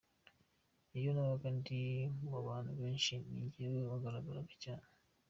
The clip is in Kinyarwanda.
Iyo nabaga ndi mu bantu benshi ni jyewe wagaragara cyane.